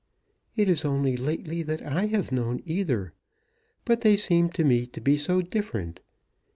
"It is only lately that I have known either; but they seem to me to be so different.